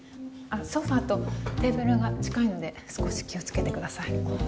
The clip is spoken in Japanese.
ソファーとテーブルが近いので少し気をつけてください